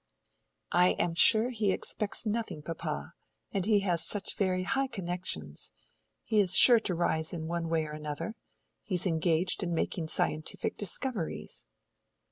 "I am sure he expects nothing, papa. And he has such very high connections: he is sure to rise in one way or another. He is engaged in making scientific discoveries."